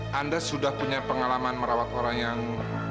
anda sudah punya pengalaman merawat orang yang